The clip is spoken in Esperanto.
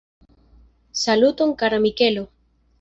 Saluton kara Mikelo!